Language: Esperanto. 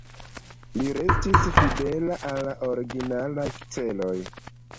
Ĝi restis fidela al la originalaj celoj.